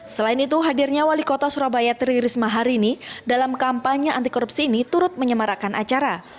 selain itu hadirnya wali kota surabaya tri risma hari ini dalam kampanye anti korupsi ini turut menyemarakan acara